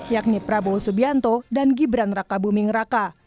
yakni prabowo subianto dan gibran raka buming raka